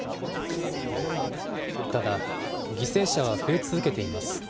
ただ、犠牲者は増え続けています。